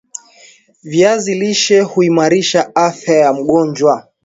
Viazi lishe huimarisha afya ya mgojwa